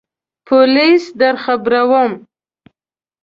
پولیس درخبروم !